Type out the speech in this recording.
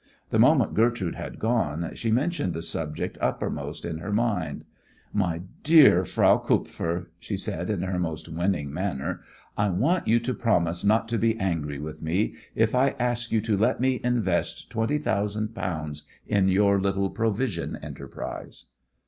The moment Gertrude had gone she mentioned the subject uppermost in her mind. "My dear Frau Kupfer," she said, in her most winning manner, "I want you to promise not to be angry with me if I ask you to let me invest twenty thousand pounds in your little provision enterprise."